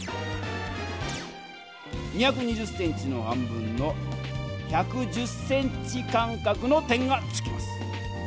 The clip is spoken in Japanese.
２２０ｃｍの半分の１１０ｃｍ間かくの点がつきます。